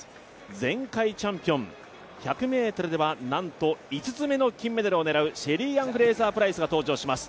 前回チャンピオン、１００ｍではなんと５つ目の金メダルを狙うシェリーアン・フレイザー・プライスが登場します。